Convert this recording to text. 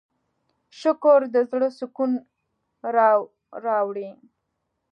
شکر د زړۀ سکون راوړي.